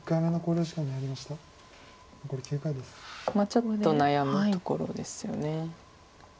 ちょっと悩むところですよね。